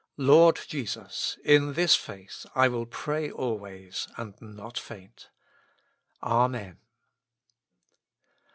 Lord Jesus ! in this faith I will pray always and not faint. Amen.